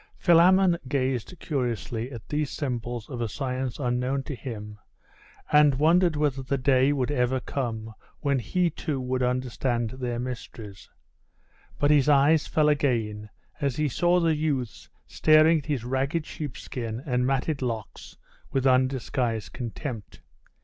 Philammon gazed curiously at these symbols of a science unknown to him, and wondered whether the day would ever come when he too would understand their mysteries; but his eyes fell again as he saw the youths staring at his ragged sheepskin and matted locks with undisguised contempt.